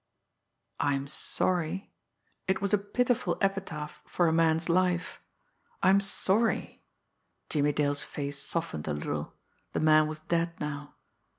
I'm sorry! It was a pitiful epitaph for a man's life! I'm sorry! Jimmie Dale's face softened a little the man was dead now.